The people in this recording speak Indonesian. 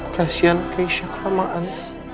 kasian keisha kelamaan